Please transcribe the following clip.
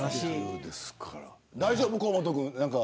大丈夫、河本君。